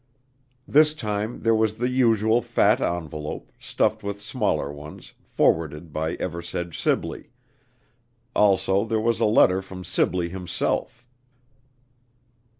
This time there was the usual fat envelope, stuffed with smaller ones, forwarded by Eversedge Sibley; also there was a letter from Sibley himself.